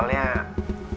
andin belum pulang